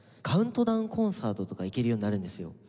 カウントダウンコンサートとか行けるようになるんですよ。